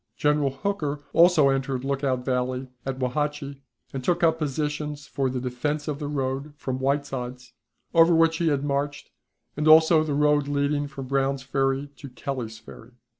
General Hooker also entered Lookout Valley at Wauhatchie, and took up positions for the defense of the road from Whiteside's, over which he had marched, and also the road leading from Brown's Ferry to Kelly's Ferry.